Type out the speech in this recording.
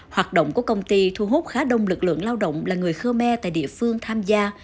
hoạt động của công ty thu hút khá đông lực lượng lao động là người khmer tại địa phương tham gia